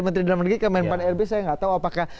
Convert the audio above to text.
menteri dalam negeri ke menkpan rb saya gak tau apakah